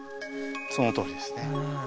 そのとおりですね